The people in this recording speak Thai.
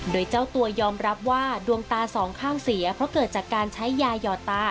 โดยเจ้าตัวยอมรับว่าดวงตาสองข้างเสียเพราะเกิดจากการใช้ยาหยอดตา